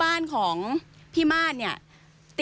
สวัสดีครับ